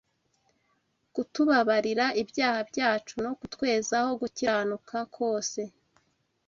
kutubabarira ibyaha byacu no kutwezaho gukiranuka kose